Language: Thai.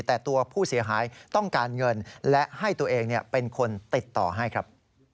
แต่ตัวผู้เสียหายต้องการเงินและให้ตัวเองเป็นคนติดต่อให้ครับ